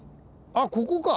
あっここか。